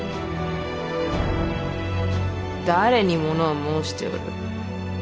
誰に物を申しておる。